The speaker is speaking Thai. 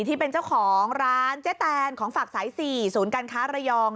ที่เป็นเจ้าของร้านเจ๊แตนของฝักสาย๔ศูนย์การค้าระยอง